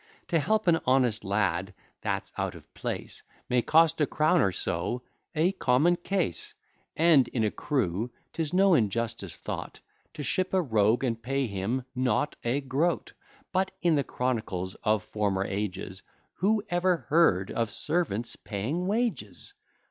To help an honest lad that's out of place, May cost a crown or so; a common case: And, in a crew, 'tis no injustice thought To ship a rogue, and pay him not a groat. But, in the chronicles of former ages, Who ever heard of servants paying wages?